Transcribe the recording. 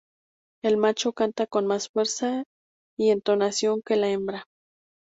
El macho canta con más fuerza y entonación que la hembra.